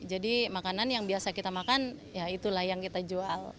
jadi makanan yang biasa kita makan ya itulah yang kita jual